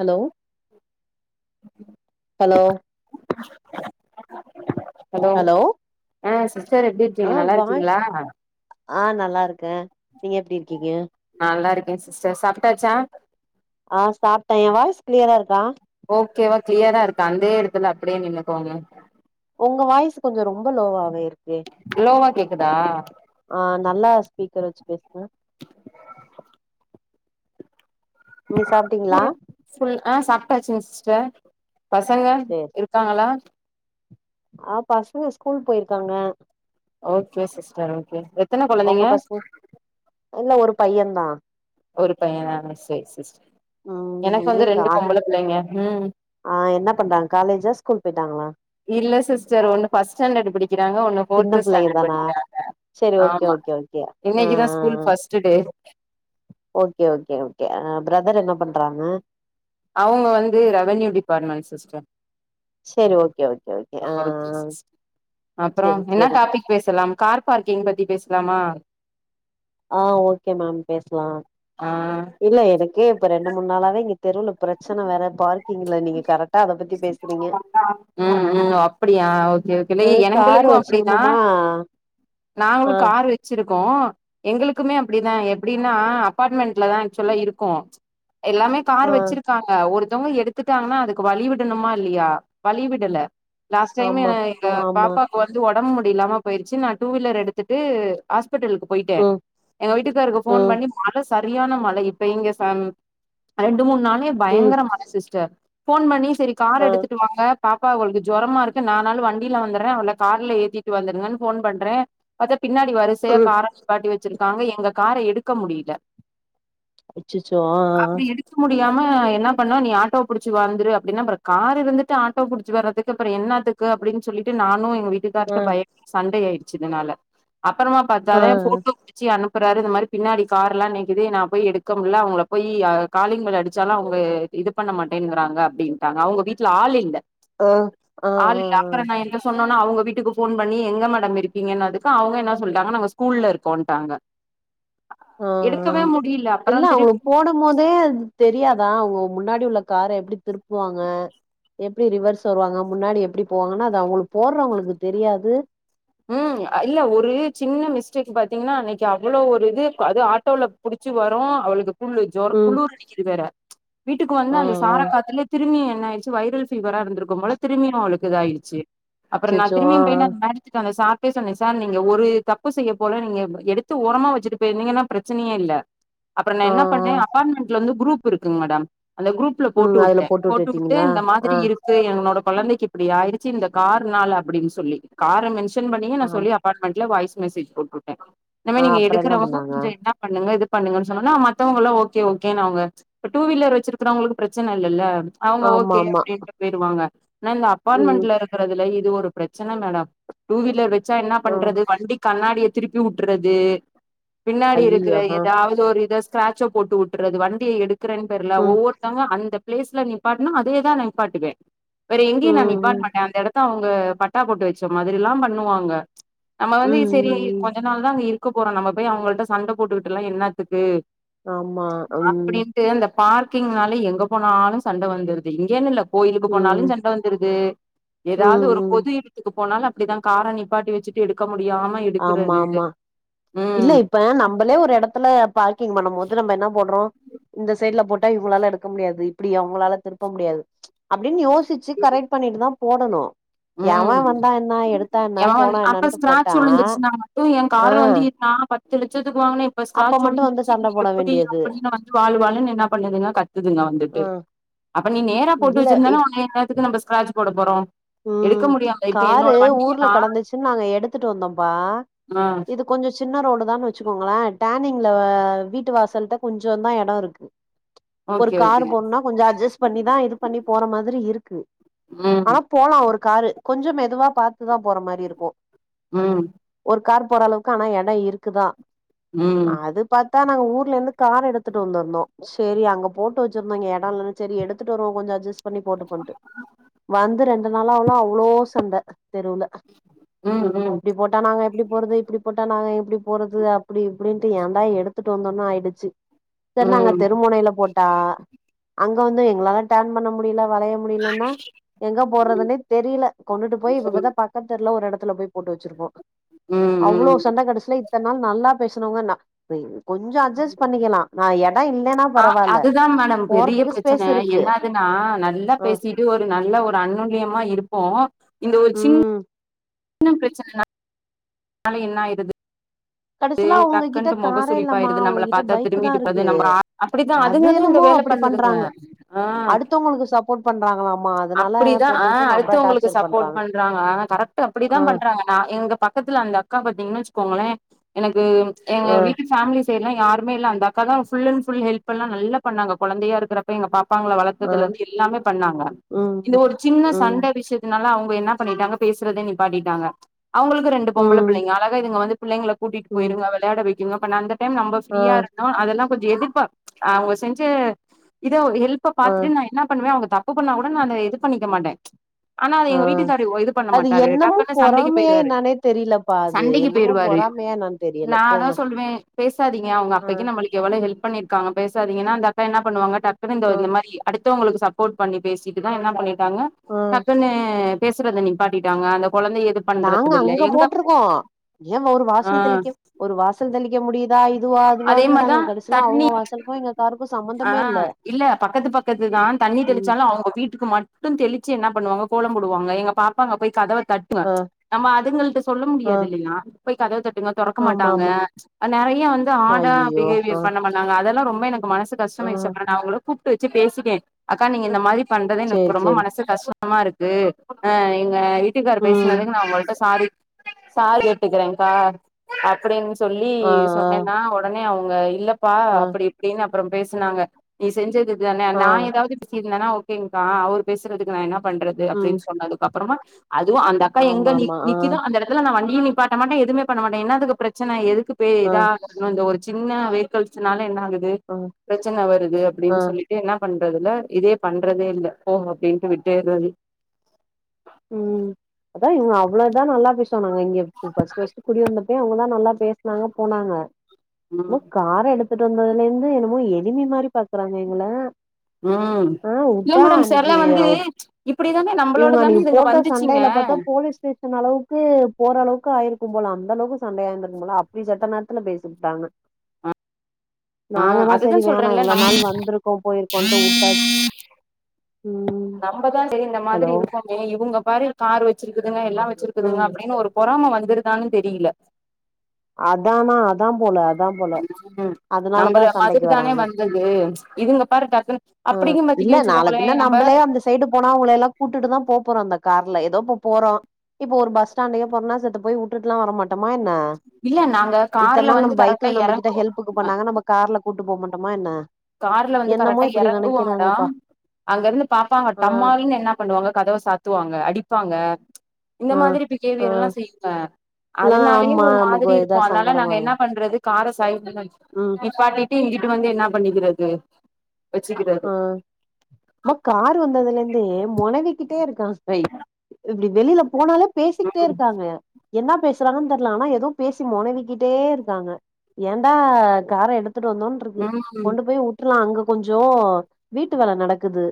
Hello hello hello ஆ sis sir எப்பிடி ஆ இருக்கீங்க நல்லா வாய்ஸ் இருக்கீங்களா ஆ நல்லா இருக்கே நீங்க எப்பிடி இருக்கீங்க நல்லா இருக்கே சிஸ்டர் சாப்ட்டாச்சா ஆ சாப்ட்டே எ வாய்ஸ் கிளியரா இருக்கா ஓகேவா கிளியரா இருக்க அந்தே எடத்துல அப்டியே நின்னுக்கோங்க உங்க வாய்ஸ் கொஞ்சோ ரொம்ப லோவாவே இருக்கு லோவா கேக் குதா ஆ நல்லா ஸ்பீக்கர் வச்சு பேசுங்க நீங்க சாப்ட்டீங்களா ஆ சொல்லு சாப்பிட்டாச்சுங்க சிஸ்டர் பசங்க சேரி இருக்காங்களா ஆ பசங்க ஸ்கூல் போயிருக்காங்க ஓகே சிஸ்டர் ஓகேங்க உங்க பசங்க இல்ல ஒருப் பையந்தா ஒரு பையனா சேரி சிஸ்டர் உ எனக்கு வந்து இங்கக்கா ரெண்டு பொம்பள பிள்ளைங்க ம் ஆ என்ன பண்றாங்க காலேஜா ஸ்கூல் போயிட்டாங்களா இல்ல சிஸ்டர் ஒன்னு ஃபஸ்ட் டேண்டட் படிக்கு கிறாங்க ஓண்ணு சின்ன ஃபோர்த் பிள்ளைங்க ஸ்டேண்டட் தானா படிக்கிறாங்க சேரி ஓகே ஆமா ஓகே ஓகே ஆ இன்னக்கு தா ஆ ஸ்கூல் ஆ first day okay okay okay brother என்ன பண்றாங்க அவங்க வந்து ரெவன்யூ டிபார்ட்மென்ட் சிஸ்டர் சேரி ஓகே ஓகே ஓகே ஆ ஆ அப்பறோ செரி என்ன செரி டாபிக் பேசலா கார் பார்க்கிங் பத்தி பேசலாமா ஆ ஓகே மேம் பேசலா ஆ இல்ல எனக்கு இப்ப ரெண் டு மூனு நாளாவே இங்க தெருவுல பிரச்சன வேற பார்க் ங்கள நீங்க கரெக்டா அத பத்தி பேச உ உ அப்படியா ஓகே ஓகே லே நாங்க கார் எங்களுக்கு அப்டிதா வச்சிருந்தோமா நாங்களு ஆ கார் வச்சு இருக்கு எங்களுக்குமே அப்டிதா எப்டின்னா அப்பார்ட்மெண்ட்லதா ஆக்சுவல்லா இருக்கு எல்லாமே கார் ஆ வச்சிருக்காங்க ஒரு தவங்க எடுத்துட்டாங்கன்னா அதுக்கு வழி விடணுமா இல்லையா வழி விடல லாஸ்ட் டைம் ஆமா எங்க ஆமா பாப்பாக்கு வந்து உட ம் முடியில்லாம போயிருச்சு நாட் டூ வீலர் எடுத்துட்டு ஹாஸ் பிடலுக்கு போயிட்டே ம் எங்க வீட்டுக்காருக்கு ஃபோன் ம் பண்ணி மலஸ் சரியான மழை இப்ப இங்க செம் ரெண்டு மூணு நாளே ம் பயங்கரமான மழ சிஸ்டர் ஃபோன் பண்ணி செரி காரு ஆ எடுத்துட்டு வாங்க பாப்பா அவளுக்கு ஜொரமா இருக்கு நானாலு வண்டியில வந்தற அவள கார்ல ஏத்திட்டு வந்துறங்கன் ஃபோன் பண்ற பாத்தா பின்னாடி வரிசையா ம் கார நிப்பாட்டி வச் சிருக்காங்க எங்க கார எடுக்க முடியில அச்சச்சோ ஆ பியாம என்ன பண்ண நீ ஆட்டோ புடிச்சி வந்துரு அப்புறம் காரு இருந்துட்டு ஆட்டோ புடிச்சி வறதுக்கு அப்புறம் என்னாத்துக்கு அப்டின் சொல்லிட்டு நானும் ஆ வீட்டுக்காரட்ட பயங்கர சண்டையே ஒரு ஆயிட்டு ச்சிதனால அப்பறமா ஆ பாத்தாலே போட்டோ புடிச்சி அனு ப்பறாரு இந்த மாரி பின்னாடி காரெலாம் நிக்கிது நான் போய் எடுக்க முடில அவங்கள போயி ஆ காலிங் பெல் அடிச்சாலும் அவுங்க இது பண்ண மாட்டேங்குறாங்க அப்டின்ட்டாங்க அவங்க வீட்ல ஆள் இல்ல ஆ ஆ ஆ ஆ ன ஒன்னே அவுங்க வீட்டுக்கு ஃபோன் பண்ணி எங்க மேடம் இருக் கீங்க இன்னதுக்கு அவுங்க என்ன சொல்ட்டாங்க நாங்க ஸ்கூல்ல இருக்கோன்ட்டாங்க ஆ ஆ எடுக்கவே முடியல அப்பற இல்ல திருப் அவங்களுக்கு போடமோதே அது தெரியாதா உங்க முன்னாடி உள்ள கார எப்டி திருப்புவாங்க எப்டி ரிவர்ஸ் வருவாங்க முன்னாடி எப்டி போவாங்கன்னா அது அவங்களுக்கு போடறவங்களுக்கு தெரியாது ம் இல்ல ஒரு சின்ன மிஸ்டேக் பாத்தீங்கன்னா அன்னைக்கு அவ்ளோ ஒரு இது அது ஆட்டோல புடிச்சி வரும் அவளுக்கு குளு ஜொர ம் குளுர் அடிக்குது வேற வீட்டுக்கு வந்து ஆ அந்த சார ஆ காத்துலே திரும்பி என்னா ஆயிடுச்சி வைரல் பீவரா இருந்துருக்கும் போல திரும்பி அவளுக்கு இதா ஆயிடுச்சு அப்புறம் நான் அச்சச்சோ ஆ திரும்பியும் போய் அந்த மேட அந்த சார்ட்டே சொன்னேன் சார் நீங்க ஒரு தப்பு செய்ய போல நீங்க எடுத்து ஓரமா வச்சிட்டு போயிருந்தீங்கன்னா பிரச்சனையே இல்ல அப்பறம் ஆ ஆ நான் என்ன பண்ணேன் அபார்ட்மெண்ட்ல வந்து குரூ ப் இருக்குங் மேடம் அந்த குரூப்ல ஆ போட்டு ம் அதுல உட்டன் போட்டு உட்டு விட்டுட்டீங்களா இந்த ஆ மாதிரி இருக்கு எங்களோட கொழந்தைக்கு இப்டி ஆயிடுச்சி இந்த கார் நால அப்டின் சொல்லி கார மென் ஷன் பண்ணியே நா ஆம் சொல்லி அப்பார்ட்மெண்ட்ல வாய்ஸ் மெசேஜ் போட்டுட்டேன் இனிமே ஆ நீங்க அப்புறோ என்ன எடுக்கறவங்க பண்ணாங்க கொஞ்சம் என்ன பண்ணுங்க இது பண்ணுங்கன்னு சொன்னோனே மத்தவங்கலாம் ஓகே ஓகே அவுங்க இப்ப டூ வீலர் வச்சிருக்கிறவங்களுக்கு பிரச்சனை இல்லல அவுங்க ஆமா ஓகே ஆமா அப்படின்னுட்டு போயிருவாங்க நான் இந்த ம் அப்பார்ட்மெண்ட்ல இருக்கறதுல இது ஒரு பிரச்சனை மேடம் டூ வீலர் வை செர் என்ன ஆ பண்றது வண்டி கண்ணாடிய திருப்பி வுட்டுறது பின்னாடி இருக்குற ஐயையோ ஆ ஏதாவது ஒரு இத ஸ்கிராட்ச்ச போட்டு வுட்டுறது வண்டியை எடுக் குறேன் பேர்ல ம் ஒவ்வொருத்தவங்க அந்த பிளேஸ்ல நிப்பாட்டுனா அதேதான் நான் நிப்பாட்டுக்கு வேற ம் எங்கயும் நான் நிப்பாட்ட ம் மாட்டேன் அந்த இடத் அவுங்க பட்டா போட்டு வச் ச மாதிரி எல்லாம் பண்ணுவாங்க நம்ம ம் வந்து இது சேரி ம் ம் கொஞ்ச நாள் தான் அங்க இருக் க்கு போறோம் நம்ம போய் அவுங்கள்ட சண்டை போட்டுட்டுலாம் என்னத்துக்கு ஆமா ம் பார்க்கிங்னாலே எங்க போனாலும் சண்டை வந்துருது இங்கன்னு இல்ல கோயிலுக்கு ம் போனாலும் சண்டை வந்துடுது ஏதாவது ம் ஒரு ம் பொது இடத் க்கு போனாலும் அப்படிதான் கார நிப்பாட்டி வச்சுட்டு எடுக்க முடியாம ஆமா எடுக்கறது ஆமா இல்ல இப்ப நம்பளே ஒரு இடத்துல பார்க்கீங்க பண்ணும்மோது நம்ம என்ன போடுறோம் இந்த சைட்ல போட்டா இவுங்களால எடுக்க முடியாது இப்படி அவுங்களால திருப்ப முடியாது அப்படின்னு யோசி ச்சு கரெக்ட் பண்ணிட்டு தான் போடணும் ம் என்ன எவந்து போனா அப்போ என்னன்ட்டு ஸ்கிராட்ச் போட்டா விழுந்துச்சுன்னா மட்டும் என் ஆ கார வந்து நான் பத்து லட்சத்துக்கு வாங்குனேன் இப்ப அப்ப ஸ்கிராட்ச் மட்டு வந்து விழுந்துச்சு சண்ட போட எப்படி வேண்டியது அப்படின்னு வந்து வாழ் வாழுன்னு என்ன பண்ணுதுங்க கத்துதுங்க வந்துட்டு ஆ அப்ப நீ நேரா போட்டு இல்ல இப் வச்சிருந்தன்னா போட போறோம் ம் காரு ஊர்ல கலந்துச்சுன் நாங்க எடுத்துட் வந்தோம்பா ஆ இது கொஞ்சோ சின்ன ரோடு ந்தா வச்சுக்கோங்கள டனிங்ல வீட்டு வாசல்ட்ட கொஞ்சோ தா எடம் இருக்கு ஒரு ஓகே ஓகே கார் போணுனா கொஞ்சோ அட்ஜஸ்ட் பண்ணிதா இது பண்ணி போற மாதிரி இருக்கு ம் ஆனாப் கோலோ ஒரு காரு கொஞ்சோ மெதுவா பாத்துதா போற மாரி இருக்கும் ம் ஒரு கார் போற அளவுக்கு ஆனா எட இருக்குதா ம் அது பாத் தா நாங்க ஊர்லேருந்து கார் எடுத்துட்டு வந்திருந்தோ செரி அங்க போட்டோச்சிருந்தோ இங்க எடோ இல்லனு செரி எடுத்துட் வருவோ கொஞ்சோ அஜ்ஜஸ் பண்ணி போட்டுபோன்டு வந் இது ரன் அதுனால அவ்ளோ அவ்ளோ சண்ட தெருவுல ம் ம் ம் இப்டி போட்டா நாங்க எப்டிப் போறது இப்டி போட்டா நாங்க எப்டி போறது அப்டி இப்டின்ட்டு ஏன்டா எடுத்துட்டு வந்தோனு ஆயிடுச்சு செரின் அங்க ம் தெரு மொனையில போட்டா அங் அங்க வந்தும் எங்ளால டர்ன் பண்ண முடில வளைய முடியலனா எங்கப் போறதின்னே தெரில கொண்டுட்டு போயி இப்பப்பந்தா பக்கத் தெரு ல ஒரு எடத்துல போய் போட்டு வச்சிருக்கோ ம் அவ்ளோ ம் சண்ட கடசில இத்தன் நாள் நல்லா பேசுனவங்க நா [unintelligible] கொஞ்சோ அஜ்ஜஸ் பண்ணிக்கலாம் நா ஏற ஆ அதுதா மேடம் பெரிய பிரச்சன ஸ்பேஸ் இருக்கு என்னாதுன்னா நல்லா அ பேசிட்டு ஒரு நல்ல ஒரு அன்னொன் னியமா இருப்போ இந்த ஒரு சின் ம் சின்ன பிரச்சனனா அதனால என்னயிருது கடசிலா அவுங்ககிட்ட காரே இல்லாமா நம்மள அவுங்ககிட்ட பாத்தா பைக் தா திரும்பிட்டு போது இருக்கு நம்ம அப்படித்தா அது அதுங்கதா இந்த என்னமோ வேல அப்டி பண்ணுதுங்க பண்றாங்க ஆ அடுத்தவங்களுக்கு சப்போட் பண்றாங்ளாமா அப்டிதா ஆ அடுத்தவங்களுக்கு சப்போர்ட் பண்றாங்க அ கரெக்ட் அப்டித்தா ஆ பண்றாங்க நா எங்க பக்கத்துல அந்த அக்கா பாத்தீங்கன்னு வச்சுக்கோங்களே என ம் எங்க ஆ வீட்டு ஃபேமிலிஸ் எல்லா யாருமேல்ல அந்த அக்கா தா ஃபுல் அன்ட் ஃபுல் ஹெல்ப்பல்லா நல்லா பண்ணாங்க கொழந்தையா இருக்குறப்ப எங்க பாப் பாங்கள ஆ வளத்ததுலெந்து எல்லாமே பண்ணாங்க ம் இந்த ஒரு சின்ன ம் சண்ட விஷ்யத்துனால அவுங் க‌ என்ன பண்ணிட்டாங்க பேசுறதே நிப்பாட்டிட்டாங்க அவுங்களுக்கு ரெண்டு பொம்பள ம் புள்ளைங்க அழகா இதுங்க வந்து புள்ளைங்கல கூட்டிட்டு ம் போயிருங்க வெளயாட‌‌வை க்குங்க [unintelligible] டைம் நம்ப ஆ ஃப்ரீயா இருந்தோ அதெல்லா கொஞ்ச எதுப்பா அவுங்க செஞ்ச இ த ஹெல்ப ஆ பாத்துட்டு நா என்னா பண்ணுவே அவுங்க தப்பு பண்ணா கூ ட நானு இது பண்ணிக்க மாட்டே ஆனா அது ஆ எங்க வீட்டுக்காரு இது பண்ண அது மாட்டாரு என்னமோ டக்குன்னு சண்டைக்கு பொறாமையா போயிருவாரு என்னானே தெரியலப்பா அது சண்டைக்கு என்னமோ போயிருவாரு பொறாமையா என்னான்னு தெரியல நா அதா போங்க சொல்லுவே பேசாதீங்க அவுங்க ஆ அப்பைக்கு நம்மளுக்கு எவ்வள ஹெல்ப் பண்ணிரு க்காங்க பேசாதிங்கனா அந்த அக்கா என்ன பண்ணுவாங்க டக்குனு இந்த ஆ இந்த மாரி அடு த்தவுங்களுக்கு சப்போர்ட் பண்ணி பேசிட்டுதா என்னா பண்ணி ட்டாங்க ஆ டக்குனு பேசுறத நிப்பாட்டிட்டாங்க அந்த கொழந்தைய இது நாங்க பண்றது இல்ல அங்க எங்க போட்ருக்கோ ஏ ஒரு ஆ வாசல் தெளிக்க ஒரு வாசல் தெளி அதே மாரிதா அவங்க தண்ணி வாசலுக்கு எங்க காருக்கு ஆ சம்பந்தமே இல்ல பக்கத்து பக்கத்துதா தண்ணி ம் தெளிச்சாலு அவுங்க வீட்டுக்கு மட்டு தெளி ச்சு என்ன பண்ணுவாங்க கோலம் போடுவாங்க எங்க பாப்பாங்க போய் கதவ தட்டுவ ஆ நம்ம அதுங்கள்ட சொல்ல ஆ முடியாது இல்லயா போய் கதவ தட் டுங்க தொறக்க ஆமா மாட்டாங்க ஆமா நறைய வந்து ஹாடா ஐய்யய்யோ! ஆ, பிஹேவியர் பண்ண பண்ணாங்க அதெல்லா ரொம்ப எனக்கு மன சு ஆ. கஷ்டமா ஆயிச்சு அப்புறொ நா அவுங்களோ கூப்பிட்டு வச்சு பேசிட்டே அக்கா நீங்க இந்த மாரி பண்றது சரி, எங்களுக்கு ரொம்ப சரி. மனசு கஷ்டோ கஷ்டமா இருக்கு ஆ இங்க வீட்டுக்காரர் ம். பேசினதுக்கு நா உங்கள்ட்ட சாரி சாரி கேட்டுக்கிரே கா அப்டின்னு சொல்லி ல்லி ஆ, ஆ, சொன்னேனா உடனே அவங்க இல்ல ப்பா ஆ, அப்டி இப்டின்னு அப்புறோ பேசுனாங்க நீ செஞ்சது தான ஆ. நா ஏதாவது இல்லனா ஓகேங்க்கா அவர் பேசுறதுக்கு வேணா பண்றது ம். அப்டின்னு சொன்னதுக்கு அப்புறமா அதுவுமஅந்த அக்கா எங்க ஆமாமா. ஆ, நிக்குதோ அந்த எடத்துல நா வண் நீ நிப்பாட்ட மாட்ட எதுமே பண்ண மாட்ட என்னத்துக்கு பிரச்சன எதுக்கு ஆ, [unintelligible] சின்ன வேக்கல்ஸ்னால என்ன ஆகுது ஆ, பிரச்சன வருது ஆ. அப்டின்னு சொல்லிட்டு என்ன பண் இருக்கிறதில இதே பண்றதே இல்ல போ அப்டின்ட்டு விட்டுட்றது உ அதா இவங்க அவ்வள இதா நல்லா பேசுவாங்க இங்க ஃபர்ஸ்ட் ஃபர்ஸ்ட் குடி வந்தப்பயோ அவங்கதா நல்லா பேசுனாங்க போனாங்க ம் ஒரு கார் எடுக் போயிட்டு வந்ததுல இருந்து என்னமோ எனிமி மாதிரி பாக்குறாங்க எங்கள உ ஆ இல்ல உட்டா மேடம் அன்னைக்கு சிலர் வந்து இப்டி தானே நம்மளோட இவங்க தானே அன்னைக்கு இது போட்ட சண்டையில பார்த்தா போலீஸ் ஸ்டேஷன் அளவுக்கு போற அளவுக் [unintelligible] ஆயிருக்கும் போல அந்த அளவுக்கு சண்டையா ஆயிருந்திருக்கு போல அப்டி சத்த நேரத்துல பேச விட்டாங்க ஆ அதுதா சொல்றேன்ல நம் வந்திருக்கோ போயிருக்கோன்ட்டு வுட்டாச்சு ம் நம்மதா டே மாதிரி ஹலோ இருக்கமே இவங்க மாரி கார் வச்சிருக்கு த்ங்க எல்லா ம் வச்சிருக்குதுங்க அப்டின்னு ஒரு பொறாமை வந்துருதான்னு தெரியல அத்தானா அதா போல தா போல ம் அதனாலதா நம்மள சண்டைக்கு மாதிரி தானே வராங்க வந்தது இதுங்க பாரு டக்குன்னு ஆ அப்டிங்கும் இல்ல பாத்தீங்க நாள வச்சுக்கோங்களே பின்ன நம்ம நம்பளே அந்த சைடு போனா அவங்கள எல்லா கூட்டிட்டுதா போ போறோ அந்த கார்ல ஏதோ இப்ப போறோ இப்போ ஒரு பஸ் ஸ்டாண்டக்கே போறம்னா சத்து போய் விட்டுல்லா வர மாட்டமா என்ன இல்ல நாங்க இத்த கார்ல நாள் வந்து நம்ம கரெக்டா பைக்ல நம்ம கிட்ட எறங்குவோ ஹெல்ப்க்கு பண்ணாங்க நம்ம கார்ல கூட்டு போகங்கன் பமா என்ன கார்ல வந்து என்னமோ கரெக்டா இப்டி இறங்குடா நெனைக்கிறாங்கப்பா அங்க இருந்து பாப்பாங்க ஆ டம்மாலு என்ன பண்ணுவாங்க கதவ சாத்துவாங்க அடிப்பாங்க இந்த ஆ மாதிரி ஆ பிகேவியர் எல்லா செய்யங்க இப்பல்லா அதனாலயே ஆமா ஒரு நமக்கு மாதிரி இதா இருக்கு அனால சங்கடமா நாங்க என்ன இருக்கு பண்றது கார சாய் பண்ணி வச்சிபோ ம் இப்பாட்டி டி இங்கிட்டு வந்து என்னா பண்ணிக்கிறது ஆ வச்சுக்கிறது மா கார் வந்ததுலந்தே மோனவிகிட்டே இருக்காங்க இப்பிடி வெளியில போனாலு பேசிக்கிட்டே இருக்காங்க என்னா பேசுறாங்கன்னு தெரல ஆனா எதுவு பேசி மோனவிகிட்டே இருக்காங்க ஏன்டா கார எடுத் த்ட்டு வந்தோ இருக்கு ம் கொண்டு போய்வுட்ரலா அங்க தோ வீட்டு வேல நடக்குது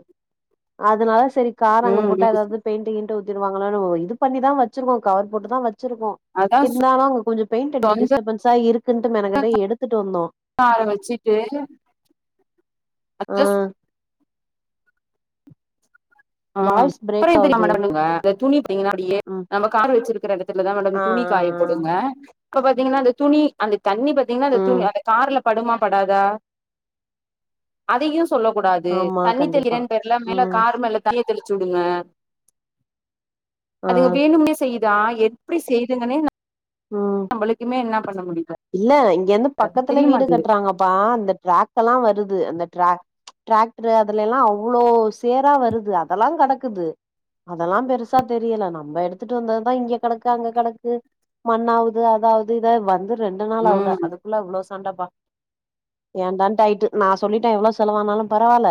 அதனால சேரி கார் அங்க ம் போட்ட ம் ஏதாவது பெயிண்டி கீண்டு த்துருவாங்களான் இது பண்ணிதா வச்சிருக்கோ கவர் போட்டுதா வச் ச்சிருக்கோ அதா இருந்தாலு அங்க கொஞ்சோ பெயிண்ட் அடிக்க சொந்த டிஸ்டர்பன்ஸா இருக்குன்னட்டு மெனக்கிட்ட எடுத்துட்டு வந்தோ ஆர வச்சுட்டு ஆ அதான் சொ ஆ வாய்ஸ் பிரேக் ஆவுது [unintelligible] அப்பிடியே ம் நம்ம கார் வச்சிருக்கற இடத்துலதா மேட ஆ ஆ துணி காய போடுங்க இப்ப பாத்தீங்கன்னா அந்த துணி அந்த தண்ணி பாத்தீங்கன்னா ஆ அந்த துணி ம் அந்த கார்ல படுமா படாதா அதையு சொல்லக்கூடாது ஆமா தண்ணித்த கண்டிப்பா இரண்டு பேர்ல மேல ம் கார் மேல தீய தெளிச்சுவுடுங்க ஆ அதுங்க வேணும்னே செய்யுதா எப்பிடி செய்துங்கன்னே ம் நம்மளுக்குமே என்னா இல்ல இங்க இருந்து பக்கத்துல வீடு தெரியமாட்டுது கட்டுறாங்கப்பா இந்த டிரக்க எல்லா வருது து அந்த டிராக் டிராக்டர் அதுல எல்லா அவ்ளோ சேரா வருது அதெல்லா கடக் க்குது அதெல்லா பெருசா தெரியல நம்ம எடுத்துட்டு வந்ததுதா இங்க கடக்கு அங்க கடக்கு.. மண்ண ஆவுது அதாவது இத வந்து ரெண்டு நாள் ஆவுல ம் அதுக்குள்ள அவ்ளோ ச சண்டப்பா ஏன்டான்ட் ஆயிட்டு நா சொல்லிட்ட எவ்ளோ செலவானாலும் பரவால்ல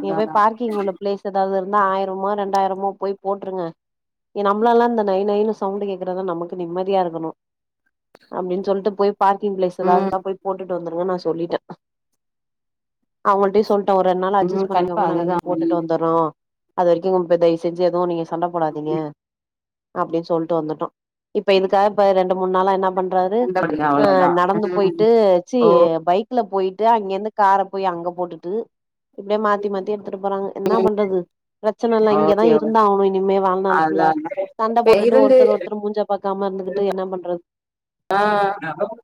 நீங்க போய் அதா பார்கிங் உள்ள பிளேஸ் எதாவது இருக் இன்ன ஆயிரமோ ரெண்டாயிரமோ போய் போட்டுருங்க நம்ளாலல்லா இந்த நை நைனு சவுண்டு கேக்குறதா நமக்கு நிம்மதியா இருக்கணு அப்டின் சொல்ட்டு போய் பார்க்கிங் பளேஸ் எதாவது இருந்தா ம் போட்டுட்டு வந்துருங்கன் நாஸ் சொல்லிட்ட அவங்கள்ட்டியு சொல் ட ஒரு ரெண் நாள் அட்ஜஸ் ம் கண்டிப்பா பண்ணிக்கோங்க நாங்க அதுதா போய் போட்டுட்டு ம் வந்துறோ அது வரைக்கும்ங்கப்ப தய் செஞ்சு எதுவு நீங்க சண்ட போடாதீங்க அப்டின் சொல்ட்டு வந்துட்டோ இப்ப இதுக்காக பே ரெண் ரெண்டு மூன்னாலா என்ன பண் றாரு அந்தபடிதா அவ்ளோதா நடந்து ம் போயிட்டு வெச்சு ஓ பைக்ல போயிட் ட்டு அங்கேருந்து கார போய் அங்க போட்டுட்டு இப்டியே மாத்தி மாத்தி எடுத்துட்டு போறாங்க என்ன பண்றது பிரச்சனைலா இங்கதா ஓகே ஓ இருந்தாகணு இனிமே வாழ்நாள் அதா ஃபுல்லா சண்ட அதா போட்டுட்டு இருந்து ஒருத்தர் ஒருத்தர் மூஞ்சா பாக்காம இருந்துகிட்டு என்ன பண்றது ஆ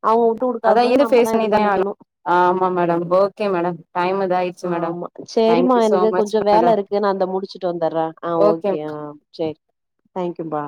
அவங்க வுட்டு அதா குடுக்காம இது ஃபேஸ் நம்மதா பண்ணி தானே ஆகனு பண்ணிக்கணு ஆமா மேடம் ஓகே மேடம் டைமு இதாயிருச்சு மேடம் ஆமா சேரிம்மா தேங்கியூ ஷோ எனக்கு மச் கொஞ்சோ மேடோ வேல இருக்கு நா அந்த முடிச்சுட்டு வந்துடுறே ஓகே தேங்க்யூப்பா